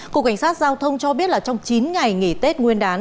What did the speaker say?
cục cảnh sát giao thông cho biết là trong chín ngày nghỉ tết nguyên đán